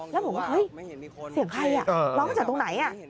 แล้วผมว่าเฮ้ยเสียงใครอ่ะร้องจากตรงไหนอ่ะ